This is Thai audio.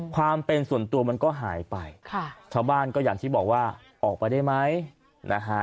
ความเป็นส่วนตัวมันก็หายไปค่ะชาวบ้านก็อย่างที่บอกว่าออกไปได้ไหมนะฮะ